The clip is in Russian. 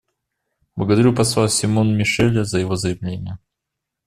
Благодарю посла Симон-Мишеля за его заявление.